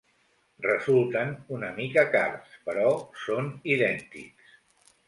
Resulten una mica cars, però són idèntics.